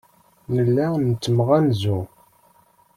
Nella nettemɣanzu.